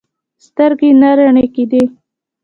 سترګې نه رڼې کېدې.